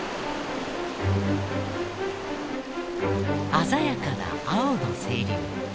鮮やかな青の清流。